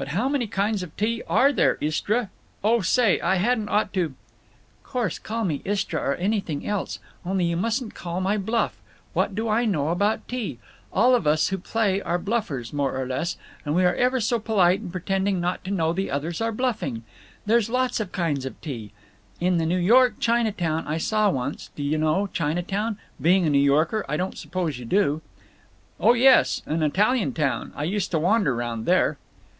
"But how many kinds of tea are there, Istra?… Oh say, I hadn't ought to—" "Course; call me Istra or anything else. Only, you mustn't call my bluff. What do I know about tea? All of us who play are bluffers, more or less, and we are ever so polite in pretending not to know the others are bluffing…. There's lots of kinds of tea. In the New York Chinatown I saw once—Do you know Chinatown? Being a New Yorker, I don't suppose you do." "Oh yes. And Italiantown. I used to wander round there."